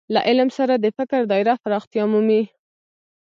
له علم سره د فکر دايره پراختیا مومي.